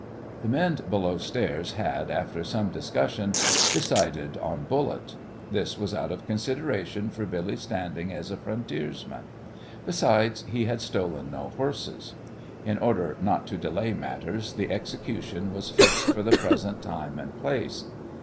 The men below stairs had, after some discussion, decided on bullet. This was out of consideration for Billy's standing as a frontiersman. Besides, he had stolen no horses. In order not to delay matters, the execution was fixed for the present time and place.